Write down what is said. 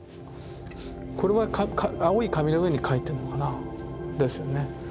これは青い紙の上に描いてるのかなあ。ですよね。